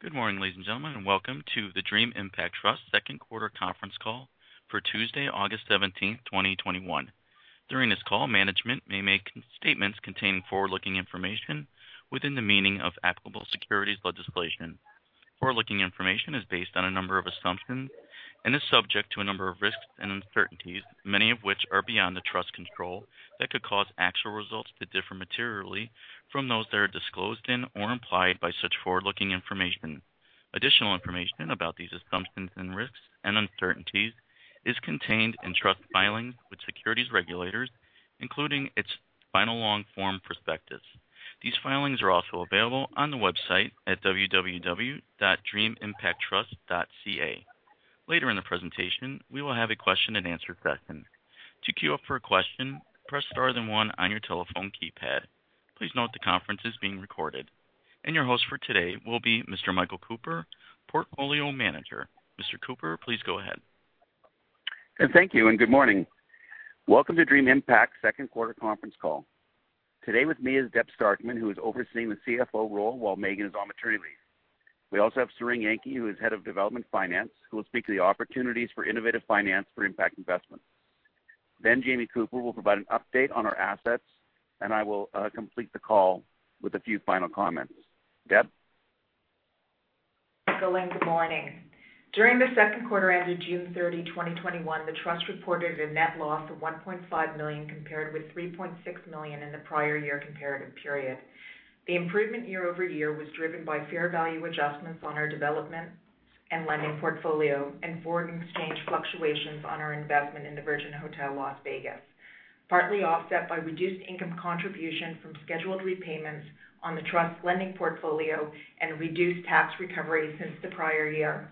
Good morning, ladies and gentlemen, welcome to the Dream Impact Trust second quarter conference call for Tuesday, August 17th, 2021. During this call, management may make statements containing forward-looking information within the meaning of applicable securities legislation. Forward-looking information is based on a number of assumptions and is subject to a number of risks and uncertainties, many of which are beyond the Trust's control, that could cause actual results to differ materially from those that are disclosed in or implied by such forward-looking information. Additional information about these assumptions and risks and uncertainties is contained in Trust filings with securities regulators, including its final long form prospectus. These filings are also available on the website at www.dreamimpactTrust.ca. Later in the presentation, we will have a question-and-answer session. To queue up for a question, press star then one on your telephone keypad. Please note the conference is being recorded. Your host for today will be Mr. Michael Cooper, Portfolio Manager. Mr. Cooper, please go ahead. Thank you, and good morning. Welcome to Dream Impact's second quarter conference call. Today with me is Deb Starkman, who is overseeing the CFO role while Meaghan is on maternity leave. We also have Tsering Yangki, who is Head of Development Finance, who will speak to the opportunities for innovative finance for impact investment. Jamie Cooper will provide an update on our assets, and I will complete the call with a few final comments. Deb? Thanks, Michael, good morning. During the second quarter ended June 30, 2021, the Trust reported a net loss of 1.5 million, compared with 3.6 million in the prior year comparative period. The improvement year-over-year was driven by fair value adjustments on our development and lending portfolio and foreign exchange fluctuations on our investment in the Virgin Hotels Las Vegas, partly offset by reduced income contribution from scheduled repayments on the Trust lending portfolio and reduced tax recovery since the prior year.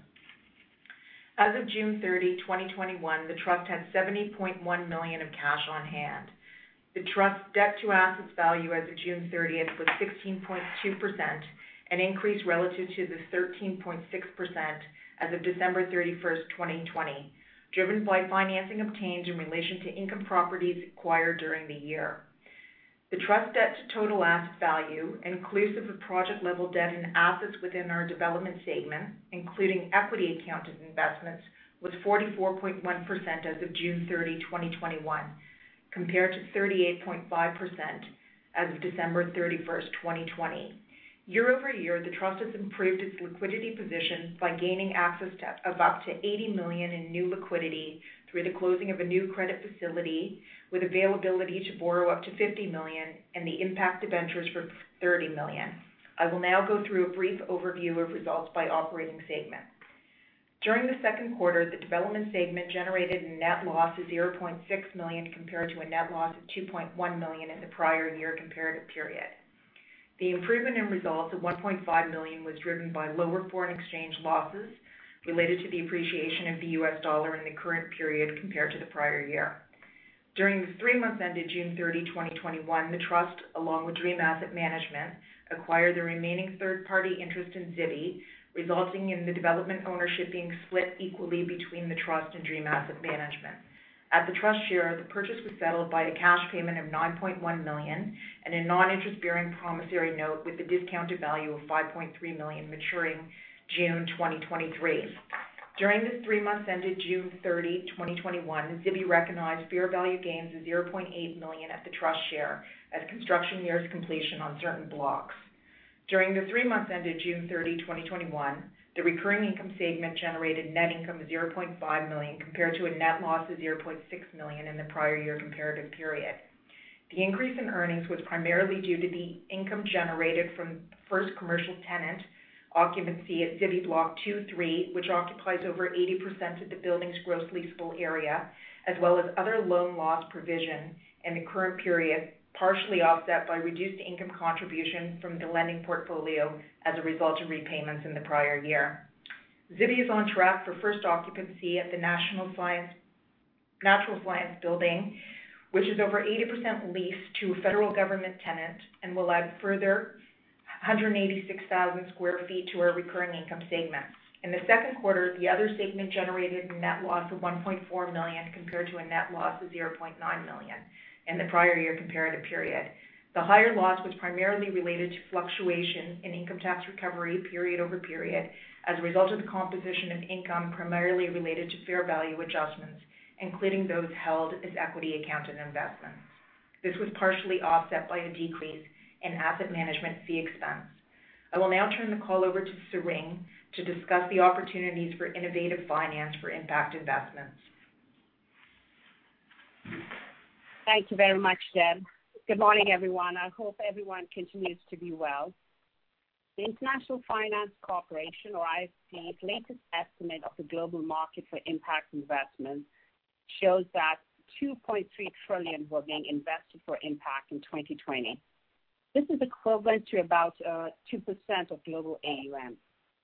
As of June 30, 2021, the Trust had 70.1 million of cash on hand. The Trust's debt to assets value as of June 30th was 16.2%, an increase relative to the 13.6% as of December 31st, 2020, driven by financing obtained in relation to income properties acquired during the year. The Trust debt to total asset value, inclusive of project level debt and assets within our Development segment, including equity accounted investments, was 44.1% as of June 30, 2021, compared to 38.5% as of December 31st, 2020. Year-over-year, the Trust has improved its liquidity position by gaining access of up to 80 million in new liquidity through the closing of a new credit facility with availability to borrow up to 50 million and the impact debentures for 30 million. I will now go through a brief overview of results by Operating segment. During the second quarter, the Development segment generated a net loss of 0.6 million compared to a net loss of 2.1 million in the prior year comparative period. The improvement in results of 1.5 million was driven by lower foreign exchange losses related to the appreciation of the U.S. dollar in the current period compared to the prior year. During the three months ended June 30, 2021, the Trust, along with Dream Asset Management, acquired the remaining third-party interest in Zibi, resulting in the development ownership being split equally between the Trust and Dream Asset Management. At the Trust share, the purchase was settled by a cash payment of 9.1 million and a non-interest-bearing promissory note with a discounted value of 5.3 million maturing June 2023. During the three months ended June 30, 2021, Zibi recognized fair value gains of 0.8 million at the Trust share as construction nears completion on certain blocks. During the three months ended June 30, 2021, the Recurring Income segement generated net income of 0.5 million compared to a net loss of 0.6 million in the prior year comparative period. The increase in earnings was primarily due to the income generated from first commercial tenant occupancy at Zibi Block 2, 3, which occupies over 80% of the building's gross leasable area, as well as other loan loss provision in the current period, partially offset by reduced income contribution from the lending portfolio as a result of repayments in the prior year. Zibi is on track for first occupancy at the National Alliance Building, which is over 80% leased to a federal government tenant and will add further 186,000 sq ft to our Recurring Income segment. In the second quarter, the other segment generated a net loss of 1.4 million compared to a net loss of 0.9 million in the prior year comparative period. The higher loss was primarily related to fluctuation in income tax recovery period over period as a result of the composition of income primarily related to fair value adjustments, including those held as equity accounted investments. This was partially offset by a decrease in asset management fee expense. I will now turn the call over to Tsering to discuss the opportunities for innovative finance for impact investments. Thank you very much, Deb. Good morning, everyone. I hope everyone continues to be well. The International Finance Corporation, or IFC, latest estimate of the global market for impact investment shows that 2.3 trillion were being invested for impact in 2020. This is equivalent to about 2% of global AUM,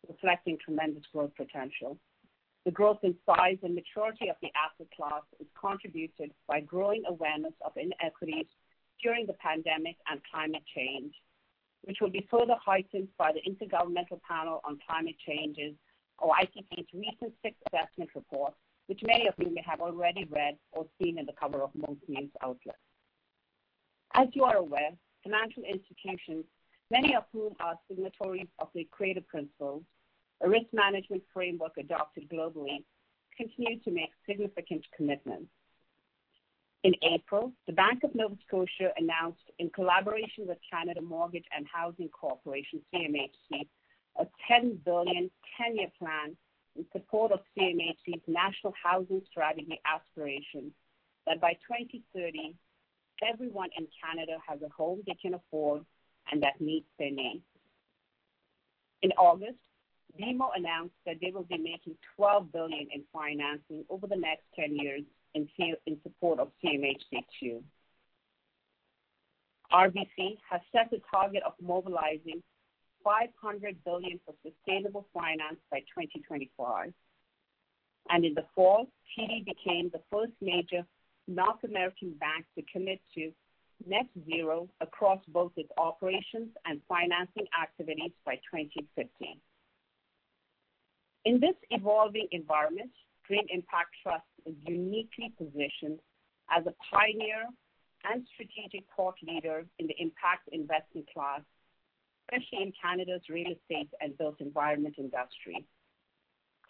reflecting tremendous growth potential. The growth in size and maturity of the asset class is contributed by growing awareness of inequities during the pandemic and climate change, which will be further heightened by the Intergovernmental Panel on Climate Change's, or IPCC's, recent sixth assessment report, which many of you may have already read or seen in the cover of most news outlets. As you are aware, financial institutions, many of whom are signatories of the Equator Principles, a risk management framework adopted globally, continue to make significant commitments. In April, The Bank of Nova Scotia announced, in collaboration with Canada Mortgage and Housing Corporation, CMHC, a 10 billion, 10-year plan in support of CMHC's National Housing Strategy aspiration, that by 2030, everyone in Canada has a home they can afford and that meets their needs. In August, BMO announced that they will be making 12 billion in financing over the next 10 years in support of CMHC too. RBC has set a target of mobilizing 500 billion for sustainable finance by 2025. In the fall, TD became the first major North American bank to commit to net zero across both its operations and financing activities by 2050. In this evolving environment, Dream Impact Trust is uniquely positioned as a pioneer and strategic thought leader in the impact investment class, especially in Canada's real estate and built environment industry.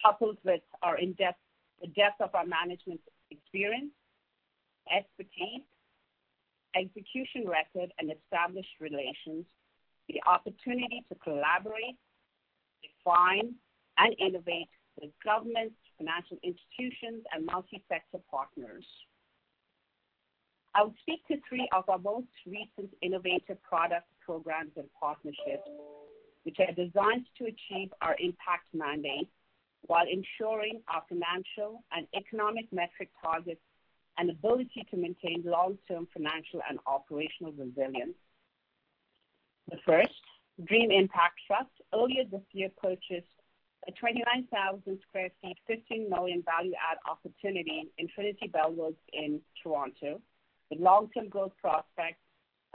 Coupled with the depth of our management's experience, expertise, execution record, and established relations, the opportunity to collaborate, define, and innovate with governments, financial institutions, and multi-sector partners. I'll speak to three of our most recent innovative products, programs, and partnerships which are designed to achieve our impact mandate while ensuring our financial and economic metric targets and ability to maintain long-term financial and operational resilience. The first, Dream Impact Trust earlier this year purchased a 29,000 sq ft, 15 million value add opportunity in Trinity-Bellwoods in Toronto with long-term growth prospects,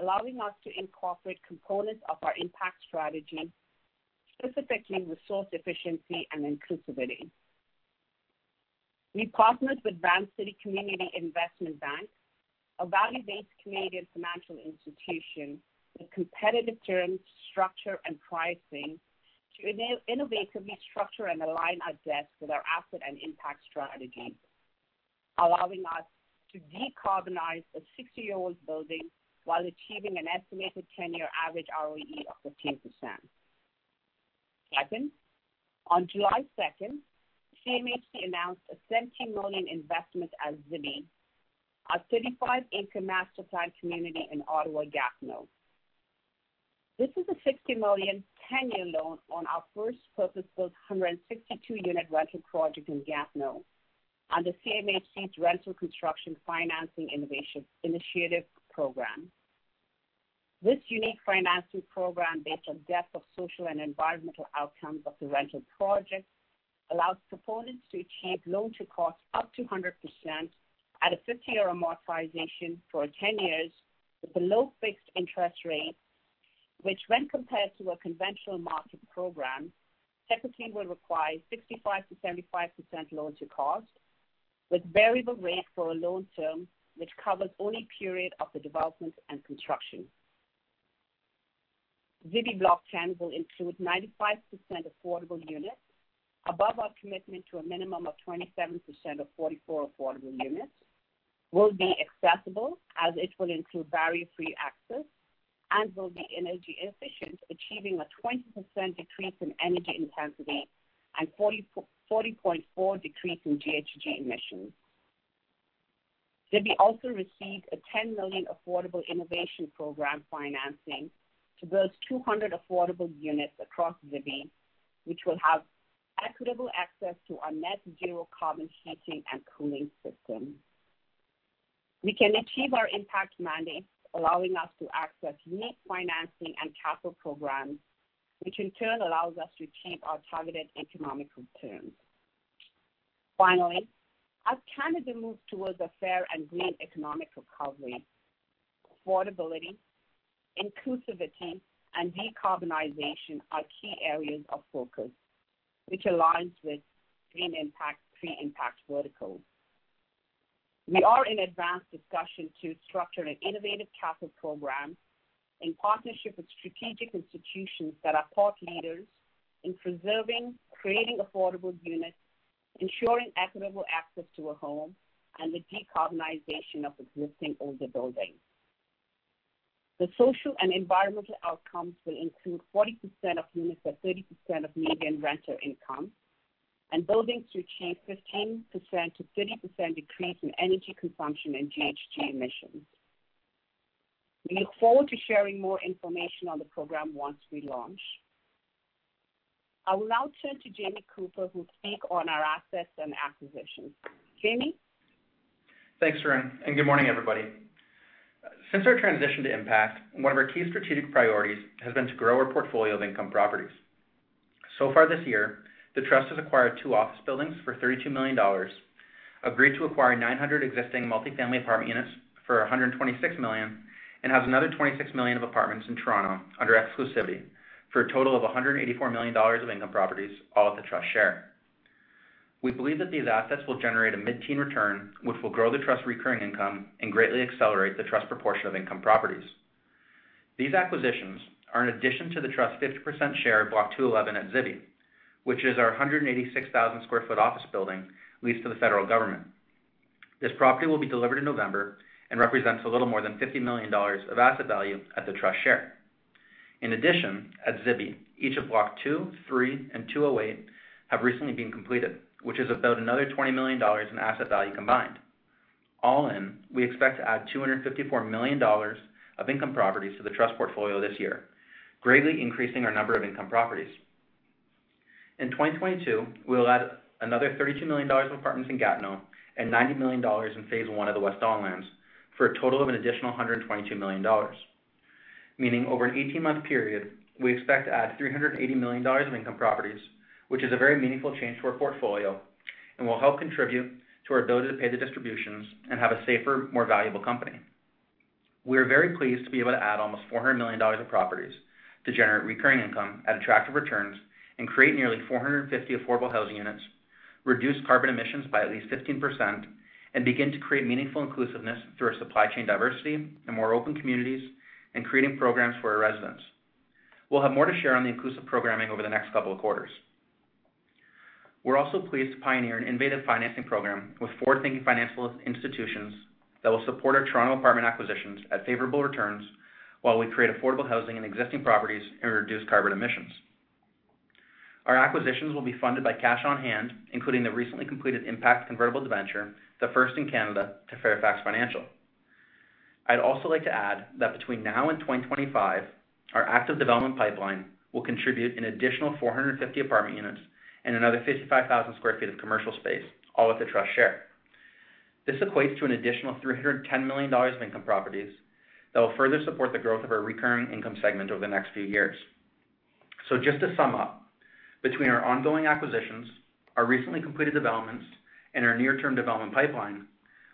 allowing us to incorporate components of our impact strategy, specifically resource efficiency and inclusivity. We partnered with Vancity Community Investment Bank, a value-based Canadian financial institution with competitive terms, structure, and pricing to innovatively structure and align our debt with our asset and impact strategy, allowing us to decarbonize a 60-year-old building while achieving an estimated 10-year average ROE of 15%. Second, on July 2nd, CMHC announced a CAD 70 million investment at Zibi, a 35-acre master-planned community in Ottawa-Gatineau. This is a 60 million, 10-year loan on our first purpose-built 162-unit rental project in Gatineau under CMHC's Rental Construction Financing Initiative program. This unique financing program based on depth of social and environmental outcomes of the rental project allows proponents to achieve loan to cost up to 100% at a 50-year amortization for 10 years with a low fixed interest rate, which when compared to a conventional market program, typically would require 65%-75% loan to cost with variable rate for a loan term which covers only period of the development and construction. Zibi Block 10 will include 95% affordable units above our commitment to a minimum of 27% of 44 affordable units, will be accessible as it will include barrier-free access, and will be energy efficient, achieving a 20% decrease in energy intensity and 40.4% decrease in GHG emissions. Zibi also received a 10 million Affordable Innovation Program financing to build 200 affordable units across Zibi, which will have equitable access to our net zero carbon heating and cooling system. We can achieve our impact mandate, allowing us to access unique financing and capital programs, which in turn allows us to achieve our targeted economical returns. Finally, as Canada moves towards a fair and green economic recovery, affordability, inclusivity, and decarbonization are key areas of focus, which aligns with Dream Impact's three impact verticals. We are in advanced discussions to structure an innovative capital program in partnership with strategic institutions that are thought leaders in preserving, creating affordable units, ensuring equitable access to a home, and the decarbonization of existing older buildings. The social and environmental outcomes will include 40% of units at 30% of median renter income and buildings to achieve 15%-30% decrease in energy consumption and GHG emissions. We look forward to sharing more information on the program once we launch. I will now turn to Jamie Cooper, who will speak on our assets and acquisitions. Jamie? Thanks, Tsering, good morning, everybody. Since our transition to impact, one of our key strategic priorities has been to grow our portfolio of income properties. Far this year, the Trust has acquired two office buildings for 32 million dollars, agreed to acquire 900 existing multi-family apartment units for 126 million, and has another 26 million of apartments in Toronto under exclusivity for a total of 184 million dollars of income properties, all at the Trust share. We believe that these assets will generate a mid-teen return, which will grow the Trust Recurring Income and greatly accelerate the Trust proportion of income properties. These acquisitions are in addition to the Trust's 50% share of Block 211 at Zibi, which is our 186,000 sq ft office building leased to the federal government. This property will be delivered in November and represents a little more than 50 million dollars of asset value at the Trust share. At Zibi, each of Block 2, 3, and 208 have recently been completed, which is about another 20 million dollars in asset value combined. All in, we expect to add 254 million dollars of income properties to the Trust portfolio this year, greatly increasing our number of income properties. In 2022, we'll add another 32 million dollars of apartments in Gatineau and 90 million dollars in phase 1 of the West Don Lands for a total of an additional 122 million dollars. Meaning, over an 18-month period, we expect to add 380 million dollars of income properties, which is a very meaningful change to our portfolio and will help contribute to our ability to pay the distributions and have a safer, more valuable company. We are very pleased to be able to add almost 400 million dollars of properties to generate Recurring Income at attractive returns and create nearly 450 affordable housing units, reduce carbon emissions by at least 15%, and begin to create meaningful inclusiveness through our supply chain diversity and more open communities and creating programs for our residents. We'll have more to share on the inclusive programming over the next couple of quarters. We're also pleased to pioneer an innovative financing program with forward-thinking financial institutions that will support our Toronto apartment acquisitions at favorable returns while we create affordable housing in existing properties and reduce carbon emissions. Our acquisitions will be funded by cash on hand, including the recently completed impact convertible debenture, the first in Canada, to Fairfax Financial. I'd also like to add that between now and 2025, our active development pipeline will contribute an additional 450 apartment units and another 55,000 sq ft of commercial space, all at the Trust share. This equates to an additional 310 million dollars in income properties that will further support the growth of our Recurring Income segment over the next few years. Just to sum up, between our ongoing acquisitions, our recently completed developments, and our near-term development pipeline,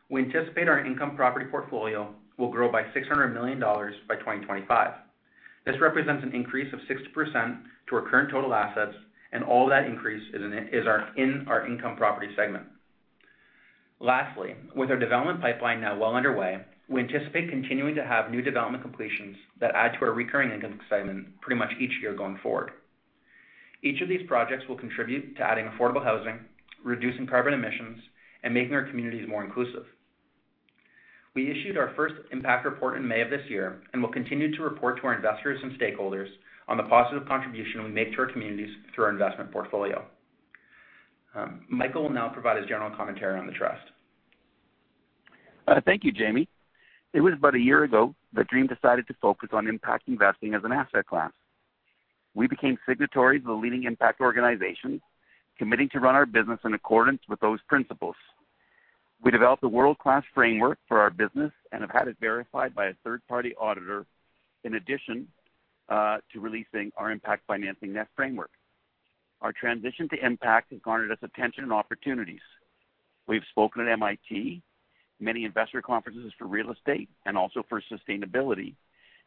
we anticipate our income property portfolio will grow by 600 million dollars by 2025. This represents an increase of 60% to our current total assets, and all that increase is in our income property segment. Lastly, with our development pipeline now well underway, we anticipate continuing to have new development completions that add to our Recurring Income segment pretty much each year going forward. Each of these projects will contribute to adding affordable housing, reducing carbon emissions, and making our communities more inclusive. We issued our first impact report in May of this year, and will continue to report to our investors and stakeholders on the positive contribution we make to our communities through our investment portfolio. Michael will now provide his general commentary on the Trust. Thank you, Jamie. It was about a year ago that Dream decided to focus on impact investing as an asset class. We became signatories of the leading impact organizations, committing to run our business in accordance with those principles. We developed a world-class framework for our business and have had it verified by a third-party auditor in addition to releasing our Impact Financing Framework. Our transition to impact has garnered us attention and opportunities. We have spoken at MIT, many investor conferences for real estate and also for sustainability,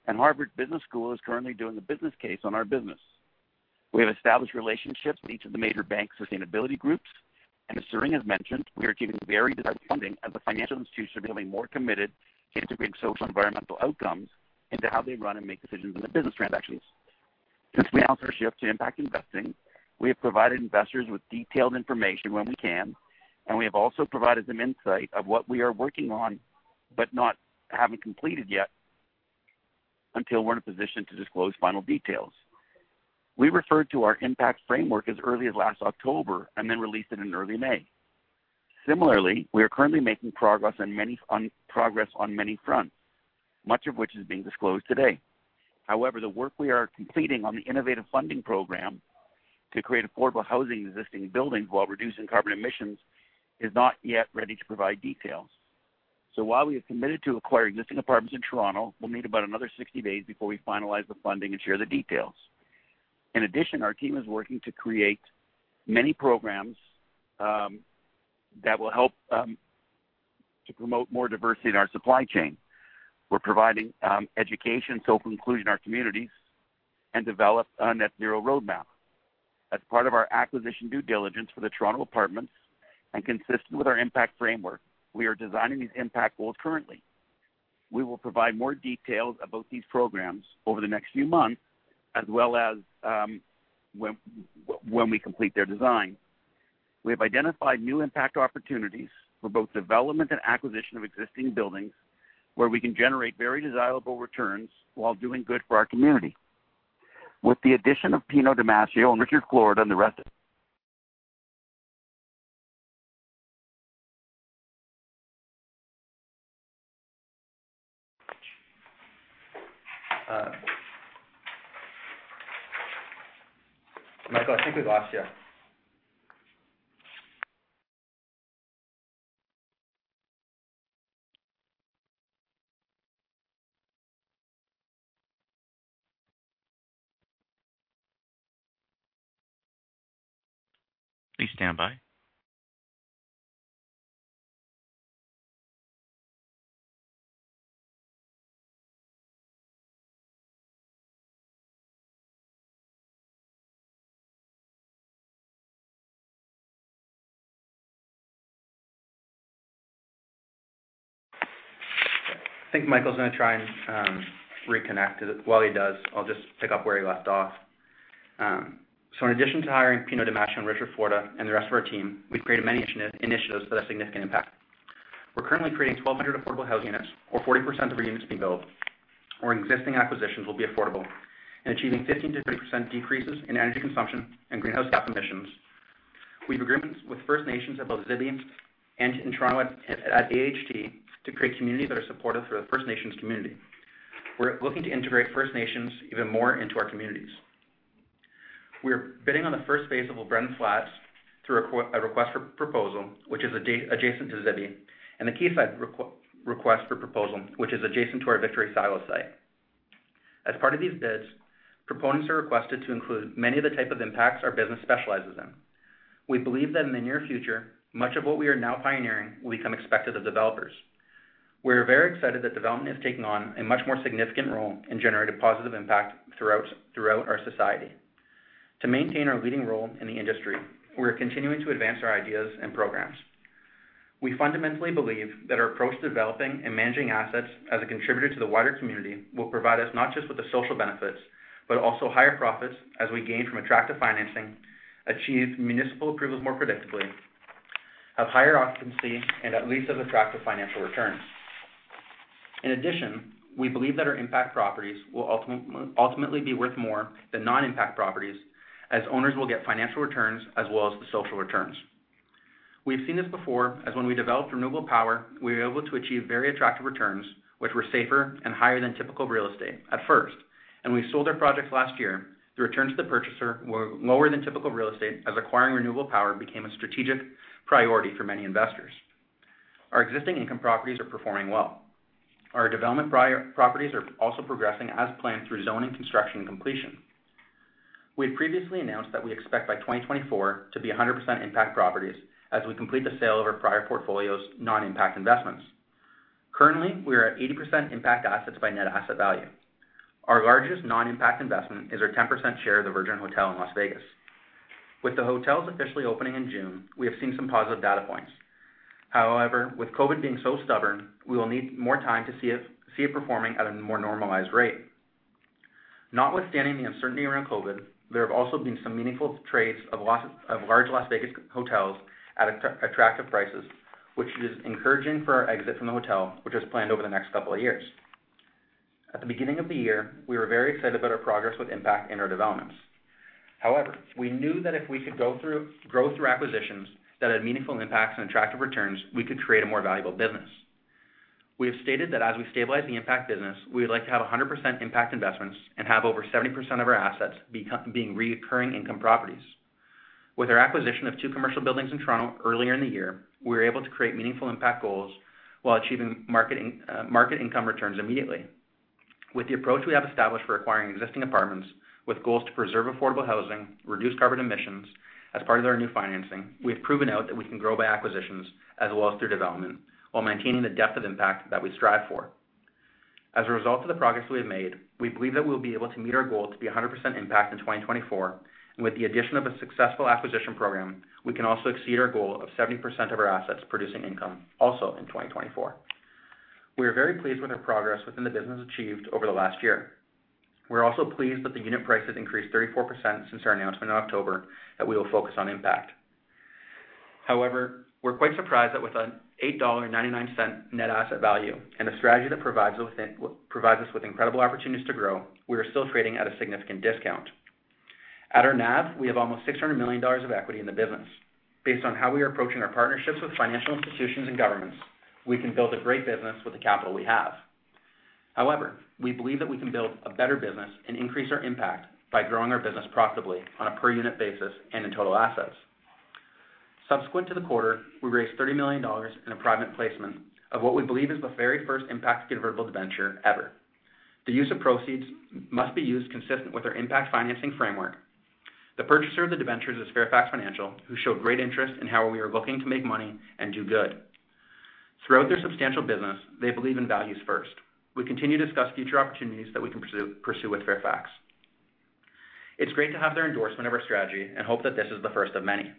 and Harvard Business School is currently doing the business case on our business. We have established relationships with each of the major bank sustainability groups, and as Tsering has mentioned, we are keeping very busy funding as the financial institutions are becoming more committed to integrating social and environmental outcomes into how they run and make decisions on their business transactions. Since we announced our shift to impact investing, we have provided investors with detailed information when we can, and we have also provided some insight of what we are working on, but haven't completed yet until we're in a position to disclose final details. We referred to our Impact Financing Framework as early as last October and then released it in early May. Similarly, we are currently making progress on many fronts, much of which is being disclosed today. However, the work we are completing on the innovative funding program to create affordable housing in existing buildings while reducing carbon emissions is not yet ready to provide details. While we have committed to acquiring existing apartments in Toronto, we'll need about another 60 days before we finalize the funding and share the details. In addition, our team is working to create many programs, that will help to promote more diversity in our supply chain. We're providing education and social inclusion in our communities and develop a net zero roadmap. As part of our acquisition due diligence for the Toronto apartments and consistent with our Impact Framework, we are designing these impact goals currently. We will provide more details about these programs over the next few months, as well as when we complete their design. We have identified new impact opportunities for both development and acquisition of existing buildings where we can generate very desirable returns while doing good for our community. With the addition of Pino Di Mascio and Richard Florida on the rest of- Michael, I think we lost you. Please stand by I think Michael's going to try and reconnect. While he does, I'll just pick up where he left off. In addition to hiring Pino Di Mascio and Richard Florida and the rest of our team, we've created many initiatives with a significant impact. We're currently creating 1,200 affordable housing units, or 40% of the units being built or existing acquisitions will be affordable and achieving 15%-30% decreases in energy consumption and greenhouse gas emissions. We have agreements with First Nations at both Zibi and in Toronto at AHT to create communities that are supportive for the First Nations community. We're looking to integrate First Nations even more into our communities. We are bidding on the first phase of LeBreton Flats through a request for proposal, which is adjacent to Zibi, and the Quayside request for proposal, which is adjacent to our Victory Silos site. As part of these bids, proponents are requested to include many of the type of impacts our business specializes in. We believe that in the near future, much of what we are now pioneering will become expected of developers. We are very excited that development is taking on a much more significant role in generating a positive impact throughout our society. To maintain our leading role in the industry, we are continuing to advance our ideas and programs. We fundamentally believe that our approach to developing and managing assets as a contributor to the wider community will provide us not just with the social benefits, but also higher profits as we gain from attractive financing, achieve municipal approvals more predictably, have higher occupancy, and at least have attractive financial returns. In addition, we believe that our impact properties will ultimately be worth more than non-impact properties as owners will get financial returns as well as the social returns. We've seen this before as when we developed renewable power, we were able to achieve very attractive returns, which were safer and higher than typical real estate at first and we sold our projects last year. The returns to the purchaser were lower than typical real estate as acquiring renewable power became a strategic priority for many investors. Our existing income properties are performing well. Our development properties are also progressing as planned through zoning, construction, and completion. We had previously announced that we expect by 2024 to be 100% impact properties as we complete the sale of our prior portfolio's non-impact investments. Currently, we are at 80% impact assets by net asset value. Our largest non-impact investment is our 10% share of the Virgin Hotels Las Vegas. With the hotels officially opening in June, we have seen some positive data points. However, with COVID being so stubborn, we will need more time to see it performing at a more normalized rate. Notwithstanding the uncertainty around COVID, there have also been some meaningful trades of large Las Vegas hotels at attractive prices, which is encouraging for our exit from the hotel, which is planned over the next couple of years. At the beginning of the year, we were very excited about our progress with impact in our developments. However, we knew that if we could grow through acquisitions that had meaningful impacts and attractive returns, we could create a more valuable business. We have stated that as we stabilize the impact business, we would like to have 100% impact investments and have over 70% of our assets being reoccurring income properties. With our acquisition of two commercial buildings in Toronto earlier in the year, we were able to create meaningful impact goals while achieving market income returns immediately. With the approach we have established for acquiring existing apartments with goals to preserve affordable housing, reduce carbon emissions as part of their new financing, we have proven out that we can grow by acquisitions as well as through development while maintaining the depth of impact that we strive for. As a result of the progress we have made, we believe that we will be able to meet our goal to be 100% impact in 2024, and with the addition of a successful acquisition program, we can also exceed our goal of 70% of our assets producing income also in 2024. We are very pleased with our progress within the business achieved over the last year. We are also pleased that the unit price has increased 34% since our announcement in October that we will focus on impact. However, we are quite surprised that with a 8.99 net asset value and a strategy that provides us with incredible opportunities to grow, we are still trading at a significant discount. At our NAV, we have almost 600 million dollars of equity in the business. Based on how we are approaching our partnerships with financial institutions and governments, we can build a great business with the capital we have. However, we believe that we can build a better business and increase our impact by growing our business profitably on a per unit basis and in total assets. Subsequent to the quarter, we raised 30 million dollars in a private placement of what we believe is the very first impact convertible debenture ever. The use of proceeds must be used consistent with our Impact Financing Framework. The purchaser of the debentures is Fairfax Financial, who showed great interest in how we are looking to make money and do good. Throughout their substantial business, they believe in values first. We continue to discuss future opportunities that we can pursue with Fairfax. It's great to have their endorsement of our strategy and hope that this is the first of many.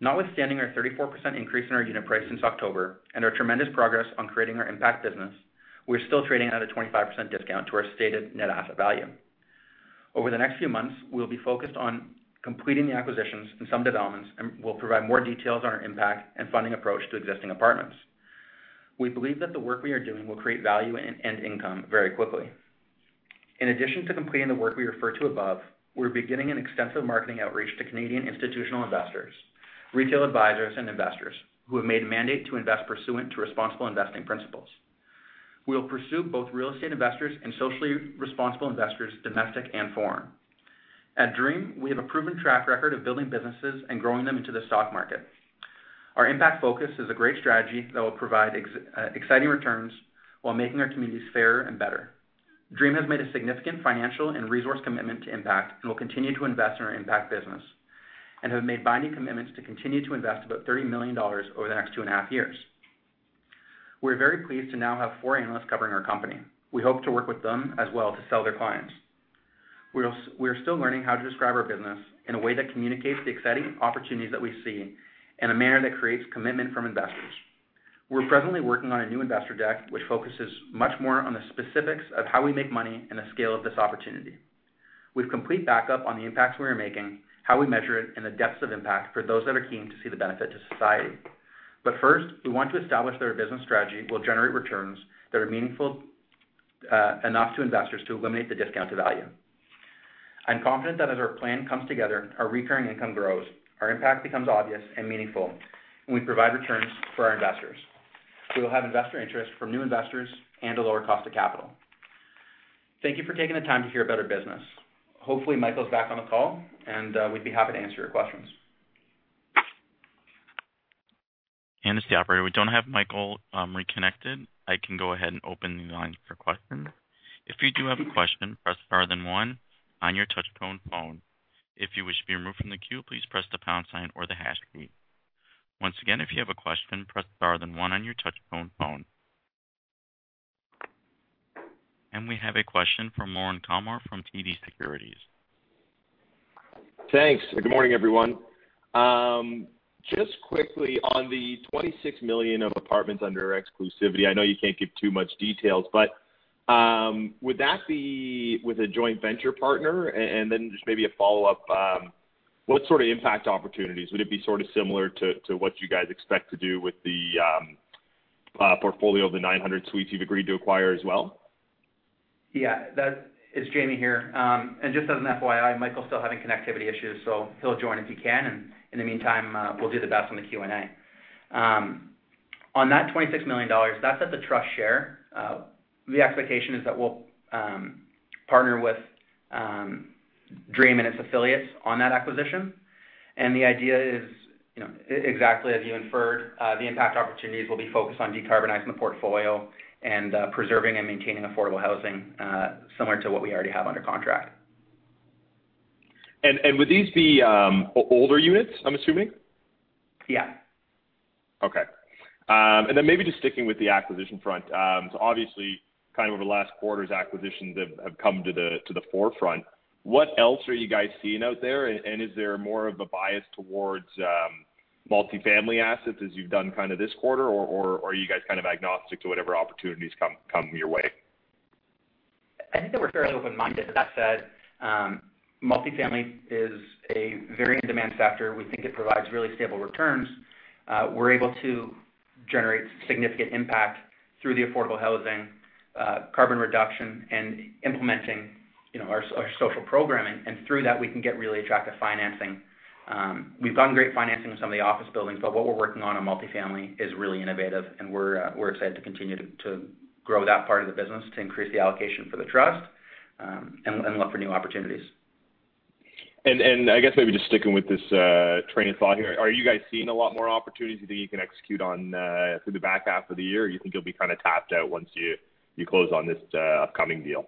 Notwithstanding our 34% increase in our unit price since October and our tremendous progress on creating our impact business, we're still trading at a 25% discount to our stated net asset value. Over the next few months, we will be focused on completing the acquisitions and some developments, and we'll provide more details on our impact and funding approach to existing apartments. We believe that the work we are doing will create value and income very quickly. In addition to completing the work we refer to above, we're beginning an extensive marketing outreach to Canadian institutional investors, retail advisors, and investors who have made a mandate to invest pursuant to responsible investing principles. We will pursue both real estate investors and socially responsible investors, domestic and foreign. At Dream, we have a proven track record of building businesses and growing them into the stock market. Our impact focus is a great strategy that will provide exciting returns while making our communities fairer and better. Dream has made a significant financial and resource commitment to impact and will continue to invest in our impact business and have made binding commitments to continue to invest about 30 million dollars over the next two and a half years. We are very pleased to now have four analysts covering our company. We hope to work with them as well to sell to their clients. We are still learning how to describe our business in a way that communicates the exciting opportunities that we see in a manner that creates commitment from investors. We're presently working on a new investor deck, which focuses much more on the specifics of how we make money and the scale of this opportunity. We've complete backup on the impacts we are making, how we measure it, and the depths of impact for those that are keen to see the benefit to society. First, we want to establish that our business strategy will generate returns that are meaningful enough to investors to eliminate the discount to value. I'm confident that as our plan comes together, our Recurring Income grows, our impact becomes obvious and meaningful, and we provide returns for our investors. We will have investor interest from new investors and a lower cost of capital. Thank you for taking the time to hear about our business. Hopefully, Michael's back on the call, and we'd be happy to answer your questions. It's the operator. We don't have Michael reconnected. I can go ahead and open the line for questions. If you do have a question, press star then one on your touch-tone phone. If you wish to be removed from the queue, please press the pound sign or the hash key. Once again, if you have a question, press star then one on your touch-tone phone. We have a question from Lorne Kalmar from TD Securities. Thanks. Good morning, everyone. Quickly, on the 26 million of apartments under exclusivity, I know you can't give too much details, would that be with a joint venture partner? Just maybe a follow-up, what sort of impact opportunities? Would it be sort of similar to what you guys expect to do with the portfolio of the 900 suites you've agreed to acquire as well? Yeah. It's Jamie here. Just as an FYI, Michael's still having connectivity issues. He'll join if he can. In the meantime, we'll do the best on the Q&A. On that 26 million dollars, that's at the Trust share. The expectation is that we'll partner with Dream and its affiliates on that acquisition and the idea is exactly as you inferred. The impact opportunities will be focused on decarbonizing the portfolio and preserving and maintaining affordable housing, similar to what we already have under contract. Would these be older units, I'm assuming? Yeah. Okay. Maybe just sticking with the acquisition front. Obviously, kind of over the last quarters, acquisitions have come to the forefront. What else are you guys seeing out there, and is there more of a bias towards multifamily assets as you've done kind of this quarter, or are you guys kind of agnostic to whatever opportunities come your way? I think that we're fairly open-minded. That said, multifamily is a very in-demand sector. We think it provides really stable returns. We're able to generate significant impact through the affordable housing, carbon reduction, and implementing our social programming. Through that, we can get really attractive financing. We've gotten great financing with some of the office buildings, but what we're working on in multifamily is really innovative, and we're excited to continue to grow that part of the business to increase the allocation for the Trust, and look for new opportunities. I guess maybe just sticking with this train of thought here, are you guys seeing a lot more opportunities that you can execute on through the back half of the year, or you think you'll be kind of tapped out once you close on this upcoming deal?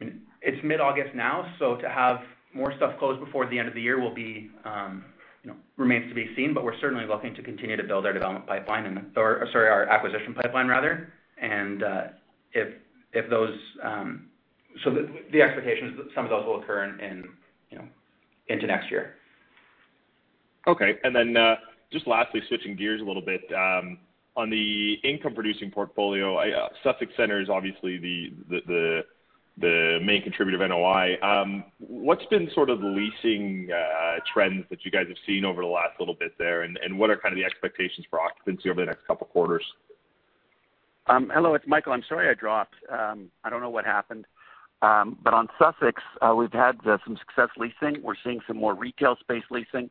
It's mid-August now, so to have more stuff closed before the end of the year remains to be seen, we're certainly looking to continue to build our development pipeline, or, sorry, our acquisition pipeline rather. The expectation is some of those will occur into next year. Okay. Just lastly, switching gears a little bit. On the income-producing portfolio, Sussex Centre is obviously the main contributor of NOI. What's been sort of the leasing trends that you guys have seen over the last little bit there, and what are kind of the expectations for occupancy over the next couple of quarters? Hello, it's Michael. I'm sorry I dropped. I don't know what happened. On Sussex, we've had some success leasing. We're seeing some more retail space leasing.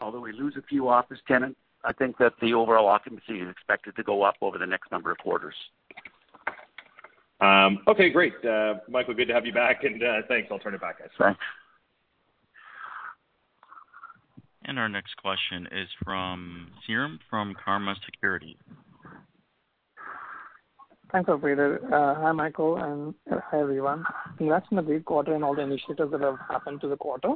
Although we lose a few office tenants, I think that the overall occupancy is expected to go up over the next number of quarters. Okay, great. Michael, good to have you back, and thanks. I'll turn it back, guys. Thanks. Our next question is from Sairam from Cormark Securities. Thanks, operator. Hi, Michael, and hi, everyone. Congrats on the great quarter and all the initiatives that have happened through the quarter.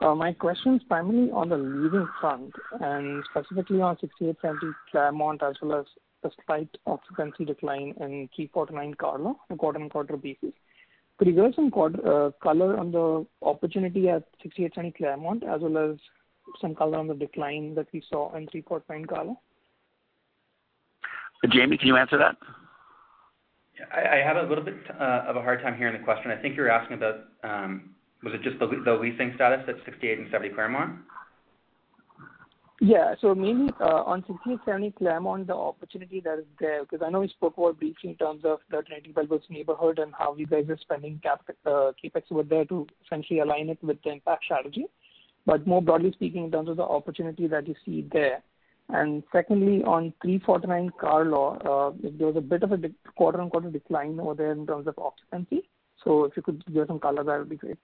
My question is primarily on the leasing front, and specifically on 68-70 Claremont as well as the slight occupancy decline in 349 Carlaw, quarter-on-quarter basis. Could you give some color on the opportunity at 68-70 Claremont as well as some color on the decline that we saw in 349 Carlaw? Jamie, can you answer that? I have a little bit of a hard time hearing the question. I think you're asking about, was it just the leasing status at 68 and 70 Claremont? Yeah. Mainly on 68-70 Claremont, the opportunity that is there, because I know we spoke more briefly in terms of the Trinity-Bellwoods neighborhood and how you guys are spending CapEx over there to essentially align it with the impact strategy. More broadly speaking in terms of the opportunity that you see there. Secondly, on 349 Carlaw, there was a bit of a quarter-over-quarter decline over there in terms of occupancy. If you could give some color, that would be great.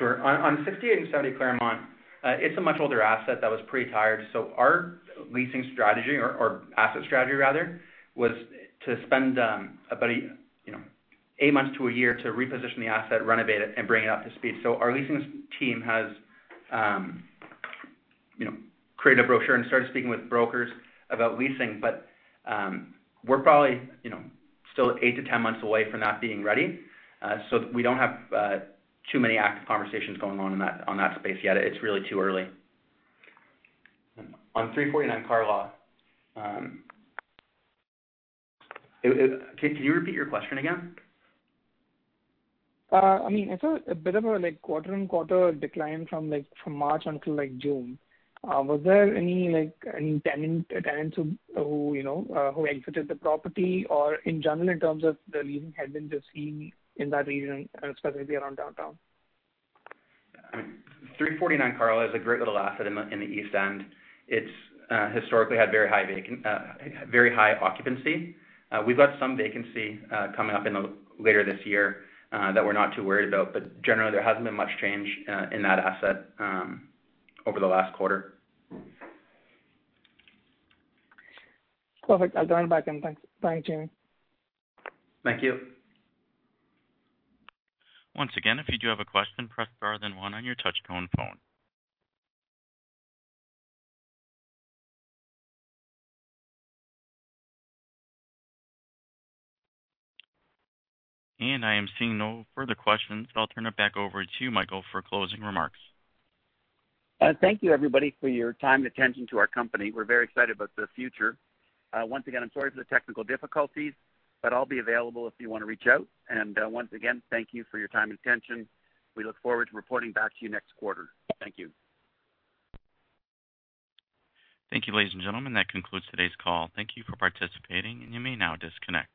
Sure. On 68 and 70 Claremont, it's a much older asset that was pretty tired. Our leasing strategy, or asset strategy rather, was to spend about eight months to a year to reposition the asset, renovate it, and bring it up to speed. Our leasing team has created a brochure and started speaking with brokers about leasing, but we're probably still 8-10 months away from that being ready. We don't have too many active conversations going on in that space yet. It's really too early. On 349 Carlaw. Can you repeat your question again? I saw a bit of a quarter-on-quarter decline from March until June. Was there any tenants who exited the property or in general, in terms of the leasing had been to see in that region and specifically around downtown? 349 Carlaw is a great little asset in the East End. It's historically had very high occupancy. We've got some vacancy coming up later this year that we're not too worried about, but generally, there hasn't been much change in that asset over the last quarter. Perfect. I'll join back in. Thanks. Bye, Jamie. Thank you. Once again, if you do have a question, press star then one on your touchtone phone. I am seeing no further questions, so I'll turn it back over to you, Michael, for closing remarks. Thank you, everybody, for your time and attention to our company. We're very excited about the future. Once again, I'm sorry for the technical difficulties, but I'll be available if you want to reach out. Once again, thank you for your time and attention. We look forward to reporting back to you next quarter. Thank you. Thank you, ladies and gentlemen. That concludes today's call. Thank you for participating, and you may now disconnect.